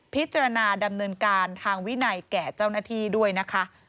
พิจารณาดำเนินการทางวินัยแก่เจ้าหน้าที่ด้วยนะคะ